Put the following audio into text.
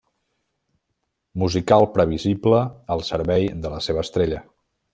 Musical previsible al servei de la seva estrella.